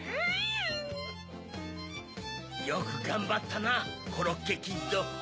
よくがんばったなコロッケキッド。